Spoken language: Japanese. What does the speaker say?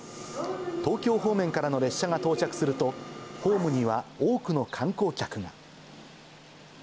東京方面からの列車が到着すると、ホームには多くの観光客が。